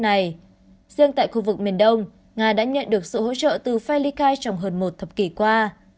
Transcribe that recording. này riêng tại khu vực miền đông nga đã nhận được sự hỗ trợ từ felikai trong hơn một thập kỷ qua